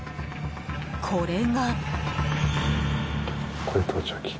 これが。